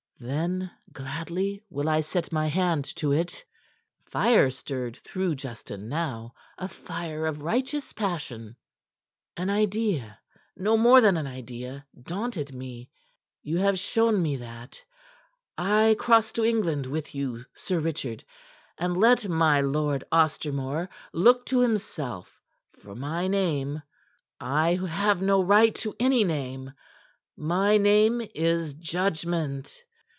"Then gladly will I set my hand to it." Fire stirred through Justin now, a fire of righteous passion. "An idea no more than an idea daunted me. You have shown me that. I cross to England with you, Sir Richard, and let my Lord Ostermore look to himself, for my name I who have no right to any name my name is judgment!"